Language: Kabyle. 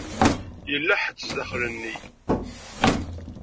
Yella ḥedd zdaxel-nni.